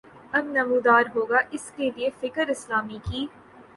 اب نمودار ہوگا اس کے لیے فکر اسلامی کی